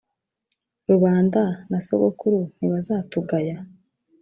rubanda na sogokuru ntibazatugaya?